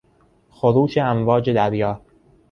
خروش امواج دریا